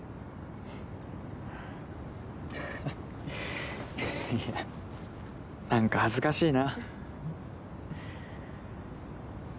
ハハッいやなんか恥ずかしいな。